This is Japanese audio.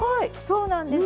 そうなんです。